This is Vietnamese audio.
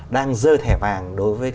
đang rơi thẻ vàng đối với